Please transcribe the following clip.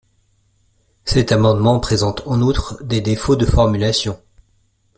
Cet amendement présente en outre des défauts de formulation.